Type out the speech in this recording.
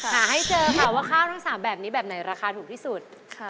หาให้เจอค่ะว่าข้าวทั้ง๓แบบนี้แบบไหนราคาถูกที่สุด